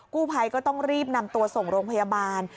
กู้ภัยก็ต้องรีบนำตัวส่งโรงพยาบาล